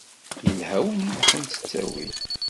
Yelha win i ilaḥḥun s tawil.